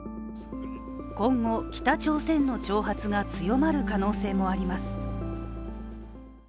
今後、北朝鮮の挑発が強まる可能性もあります。